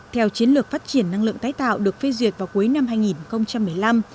theo chiến lược phát triển năng lượng tái tạo được phê duyệt vào cuối năm hai nghìn một mươi năm